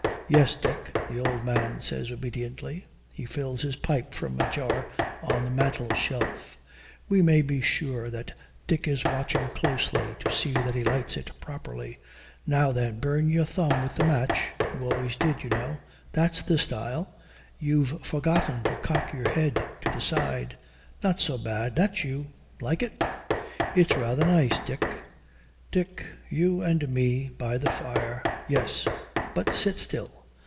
'Yes, Dick,' the old man says obediently. He fills his pipe from a jar on the mantelshelf. We may be sure that Dick is watching closely to see that he lights it properly. 'Now, then, burn your thumb with the match you always did, you know. That's the style. You've forgotten to cock your head to the side. Not so bad. That's you. Like it?' 'It's rather nice, Dick. Dick, you and me by the fire!' 'Yes, but sit still.